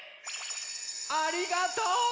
ありがとう！